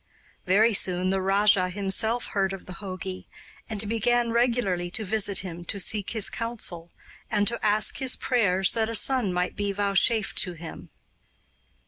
Very soon the rajah himself heard of the jogi, and began regularly to visit him to seek his counsel and to ask his prayers that a son might be vouchsafed to him.